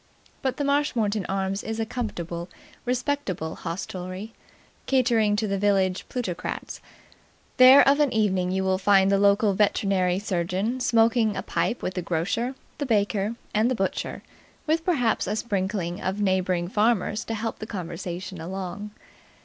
But the Marshmoreton Arms is a comfortable, respectable hostelry, catering for the village plutocrats. There of an evening you will find the local veterinary surgeon smoking a pipe with the grocer, the baker, and the butcher, with perhaps a sprinkling of neighbouring farmers to help the conversation along.